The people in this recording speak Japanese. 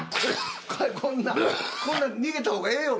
これこんな逃げた方がええよ！